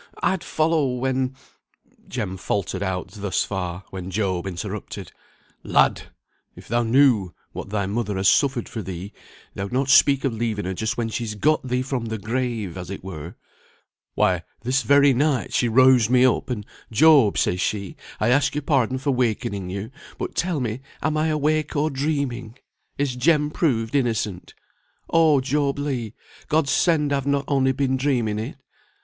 I'd follow when " Jem faltered out thus far, when Job interrupted, "Lad! if thou knew what thy mother has suffered for thee, thou'd not speak of leaving her just when she's got thee from the grave as it were. Why, this very night she roused me up, and 'Job,' says she, 'I ask your pardon for wakening you, but tell me, am I awake or dreaming? Is Jem proved innocent? Oh, Job Legh! God send I've not been only dreaming it!'